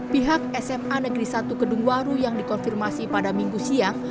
pihak sma negeri satu kedungwaru yang dikonfirmasi pada minggu siang